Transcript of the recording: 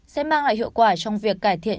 sẽ mang lại hiệu quả trong việc cải thiện